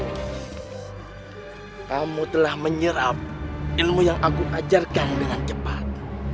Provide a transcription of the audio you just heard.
kamu telah menyerap ilmu yang aku ajarkan dengan cepat